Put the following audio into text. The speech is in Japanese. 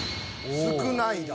少ない。